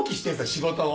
仕事を。